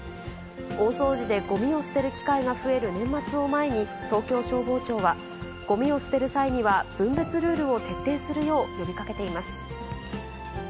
大掃除でごみを捨てる機会が増える年末を前に、東京消防庁は、ごみを捨てる際には、分別ルールを徹底するよう呼びかけています。